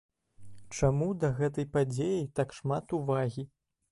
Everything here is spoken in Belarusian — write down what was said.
Чаму да гэтай падзеі так шмат увагі?